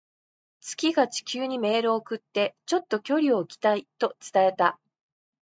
月が地球にメールを送って、「ちょっと距離を置きたい」と伝えた。